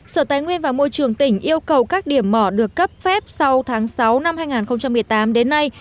sở tài nguyên và môi trường tỉnh yêu cầu các điểm mỏ được cấp phép sau tháng sáu năm hai nghìn một mươi tám đến nay